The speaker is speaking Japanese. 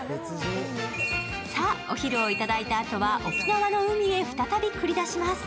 さあお昼をいただいたあとは沖縄の海へ再び繰り出します。